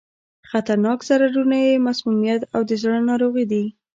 خطرناک ضررونه یې مسمومیت او د زړه ناروغي دي.